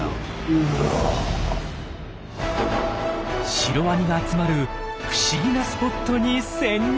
シロワニが集まる不思議なスポットに潜入！